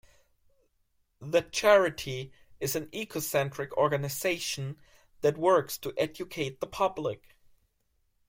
The charity is an ecocentric organisation that works to educate the public.